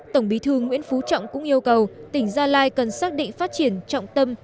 tổng bí thư nguyễn phú trọng cũng yêu cầu tỉnh gia lai cần xác định phát triển trọng tâm